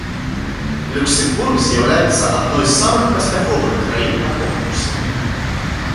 Люксембург з'яўляецца адной з самых паспяховых краін на конкурсе.